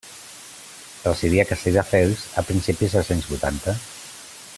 Residí a Castelldefels a principis dels anys vuitanta.